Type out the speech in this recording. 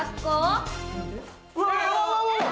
うわ！